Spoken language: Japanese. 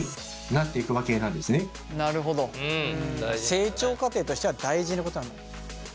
成長過程としては大事なこと。